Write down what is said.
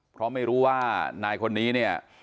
เพราะไม่รู้ว่านายคนนี้เนี่ย